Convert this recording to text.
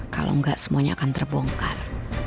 kalo gak semuanya akan terbongkar